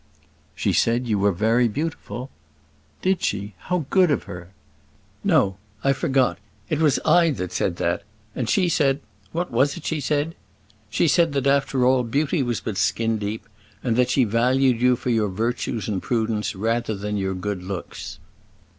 "She said you were very beautiful " "Did she? how good of her!" "No; I forgot. It it was I that said that; and she said what was it she said? She said, that after all, beauty was but skin deep and that she valued you for your virtues and prudence rather than your good looks."